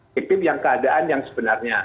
tipip yang keadaan yang sebenarnya